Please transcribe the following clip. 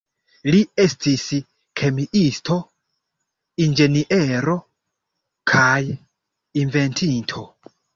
Li estis kemiisto, inĝeniero, kaj inventinto.